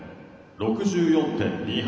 ６４．２８。